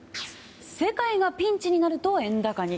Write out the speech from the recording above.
世界がピンチになると円高に。